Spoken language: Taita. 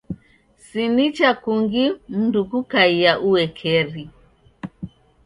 Si nicha kungi mndu kukaia uekeri.